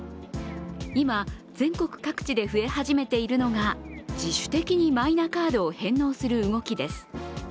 今、全国各地で増え始めているのが自主的にマイナカードを返納する動きです。